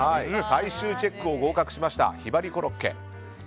最終チェックを合格しましたひばりコロッケ。